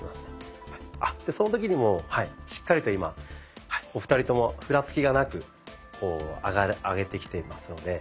その時にもうしっかりと今お二人ともふらつきがなく上げてきていますので。